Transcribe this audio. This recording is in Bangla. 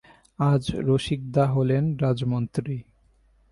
আজ রসিকদা হলেন রাজমন্ত্রী।